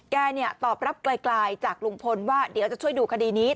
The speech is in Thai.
ตอบรับไกลจากลุงพลว่าเดี๋ยวจะช่วยดูคดีนี้